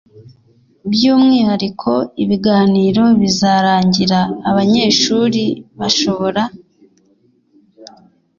by umwihariko ibiganiro bizarangira abanyeshuri bashobora